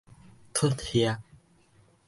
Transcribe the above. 禿額